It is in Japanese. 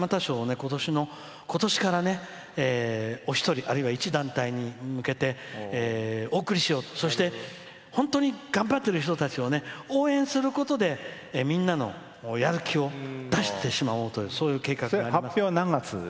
ことしからお一人あるいは、いち団体に向けてそして本当に頑張ってる人たちを応援することでみんなのやる気を出してしまおうというそういう計画があります。